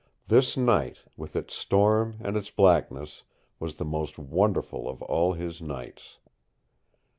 This night, with its storm and its blackness, was the most wonderful of all his nights.